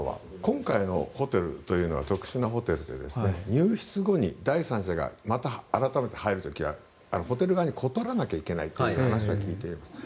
今回のホテルというのは特殊なホテルで入室後に第三者がまた改めて入る時はホテル側に断らないといけないという話は聞いています。